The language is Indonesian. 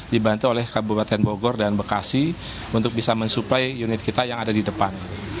dibantu oleh kabupaten bogor dan bekasi untuk bisa mensuplai unit kita yang ada di depan